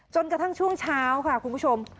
จนกระทั่งช่วงเช้าค่ะคุณผู้ชม